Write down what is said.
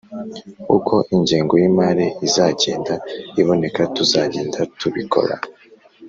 uko ingengo y’imari izagenda iboneka tuzagenda tubikor